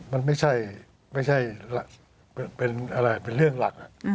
มันไม่ใช่เป็นเรื่องหลัก